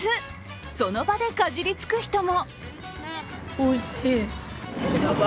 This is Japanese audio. その場でかじりつく人も。